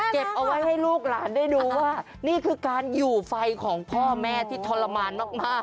เก็บเอาไว้ให้ลูกหลานได้ดูว่านี่คือการอยู่ไฟของพ่อแม่ที่ทรมานมาก